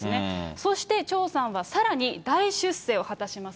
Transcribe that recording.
そして張さんはさらに大出世を果たします。